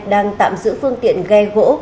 đang tạm giữ phương tiện ghe gỗ